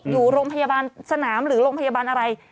อยู่โรงพยาบาลสนามหรือโรงพยาบาลอะไร